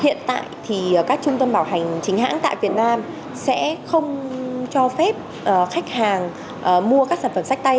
hiện tại thì các trung tâm bảo hành chính hãng tại việt nam sẽ không cho phép khách hàng mua các sản phẩm sách tay